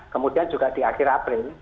kemudian juga di akhir april